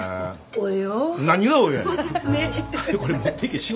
およ？